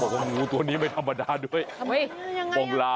งูตัวนี้ไม่ธรรมดาด้วยปงลา